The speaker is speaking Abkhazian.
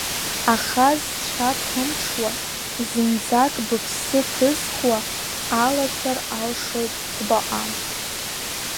Аха зцәа ԥымҽуа, зынӡак быԥсы ҭызхуа, алашәар алшоит хәбаҟа!